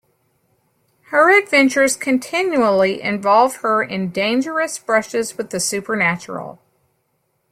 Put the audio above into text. Her adventures continually involve her in dangerous brushes with the supernatural.